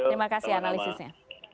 terima kasih analisisnya